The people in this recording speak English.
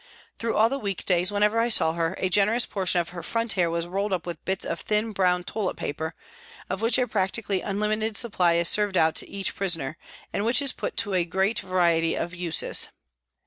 Through all the week days, whenever I saw her, a generous portion of her front hair was rolled up with bits of the thin, brown toilet paper, of which a practically unlimited supply is served out to each prisoner, and which is put to a great variety of uses.